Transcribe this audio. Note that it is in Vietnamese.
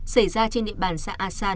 xảy ra trên địa bàn xã asan